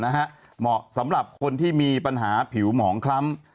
เหมาะสำหรับคนที่มีปัญหาผิวหมองคล้ำ